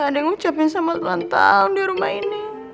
gak ada yang ngucapin sama tuan tau di rumah ini